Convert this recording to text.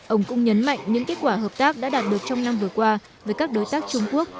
ông cũng nhấn mạnh những kết quả hợp tác đã đạt được trong năm vừa qua với các đối tác trung quốc